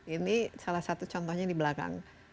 ini salah satu contohnya di belakang